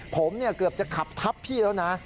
ผมเกือบจะขับทับพี่แล้วนะ